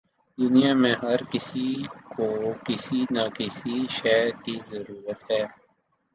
دنیا میں ہر کسی کو کسی نہ کسی شے کی ضرورت ہے۔